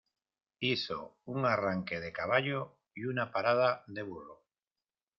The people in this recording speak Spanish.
Hizo un arranque de caballo y una parada de burro.